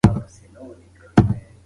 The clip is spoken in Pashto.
طبیعت زموږ د ټولو انسانانو شریک کور دی.